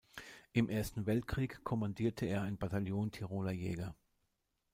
Im Ersten Weltkrieg kommandierte er ein Bataillon Tiroler Jäger.